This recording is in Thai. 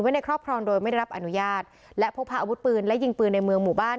ในครอบครองโดยไม่ได้รับอนุญาตและพกพาอาวุธปืนและยิงปืนในเมืองหมู่บ้าน